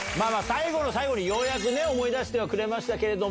最後の最後にようやく思い出してくれましたけど。